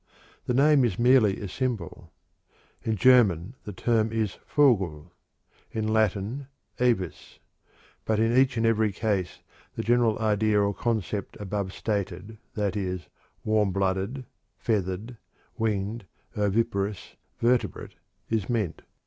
The name is merely a symbol. In German the term is vogel; in Latin, avis; but in each and every case the general idea or concept above stated, i.e., "warm blooded, feathered, winged, oviparous, vertebrate," is meant.